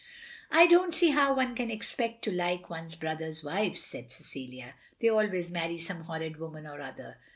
" "I don't see how one can expect to like one's brothers' wives," said Cecilia. "They always marry some horrid woman or other.